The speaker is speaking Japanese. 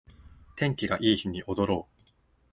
天気がいい日に踊ろう